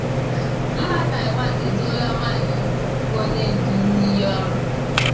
Mba Taịwan eduola nwanyị mbụ bụ onye ndu n’iyi ọrụ